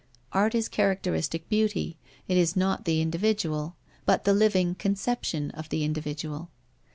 Art is characteristic beauty; it is not the individual, but the living conception of the individual.